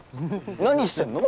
何してんの？